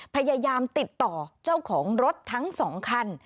พยายามติดต่อเจ้าของรถทั้ง๒คัน